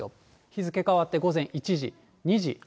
日付変わって午前１時、２時、３時。